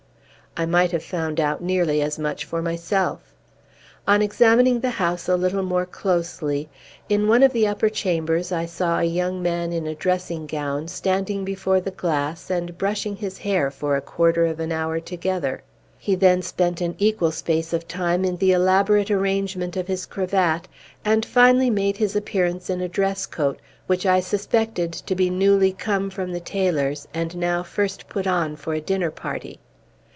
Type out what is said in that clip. I might have found out nearly as much for myself, on examining the house a little more closely, in one of the upper chambers I saw a young man in a dressing gown, standing before the glass and brushing his hair for a quarter of an hour together. He then spent an equal space of time in the elaborate arrangement of his cravat, and finally made his appearance in a dress coat, which I suspected to be newly come from the tailor's, and now first put on for a dinner party.